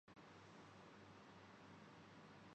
doctor تو کوشش کر سکتے ہیں باقی سب اللہ کی طرف سے ھوتی ہے